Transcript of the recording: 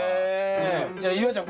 じゃあ夕空ちゃん